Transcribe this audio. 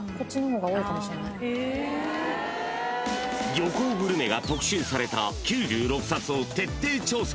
［漁港グルメが特集された９６冊を徹底調査］